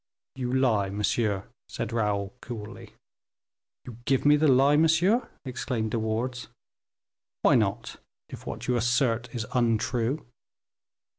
"You lie, monsieur," said Raoul, coolly. "You give me the lie, monsieur?" exclaimed De Wardes. "Why not, if what you assert is untrue?"